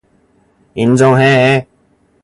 인정해.